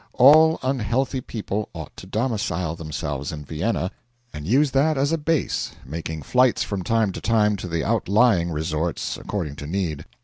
All unhealthy people ought to domicile themselves in Vienna, and use that as a base, making flights from time to time to the outlying resorts, according to need.